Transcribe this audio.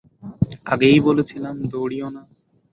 আগেই বলেছিলাম, দৌড়িও না।